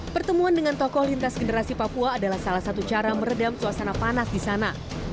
pertemuan dengan tokoh lintas generasi papua adalah salah satu cara meredam suasana panas di sana